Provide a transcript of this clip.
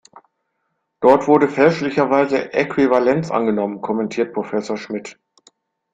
Dort wurde fälschlicherweise Äquivalenz angenommen, kommentiert Professor Schmidt.